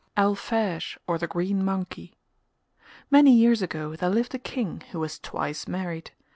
ALPHEGE, OR THE GREEN MONKEY Many years ago there lived a King, who was twice married.